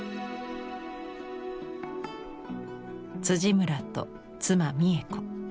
村と妻・三枝子。